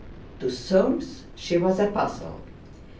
To Soames she was a puzzle.